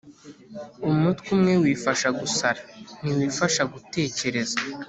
Umutwe umwe wifasha gusara, ntiwifasha gutekereza.